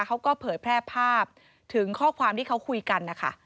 เผยแพร่ภาพถึงข้อความที่เขาคุยกันนะคะ